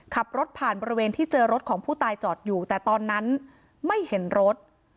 ขับรถผ่านบริเวณที่เจอรถของผู้ตายจอดอยู่แต่ตอนนั้นไม่เห็นรถ